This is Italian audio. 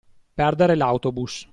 Perdere l'autobus.